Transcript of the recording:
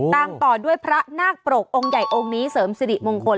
ต่อด้วยพระนาคปรกองค์ใหญ่องค์นี้เสริมสิริมงคล